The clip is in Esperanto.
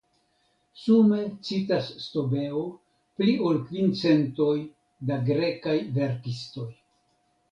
Sume citas Stobeo pli ol kvin centoj da grekaj verkistoj.